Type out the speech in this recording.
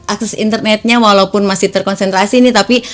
akses internetnya walaupun masih terkonsentrasi nih tapi